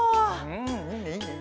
うんいいねいいね。